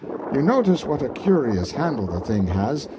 You notice what a curious handle the thing has.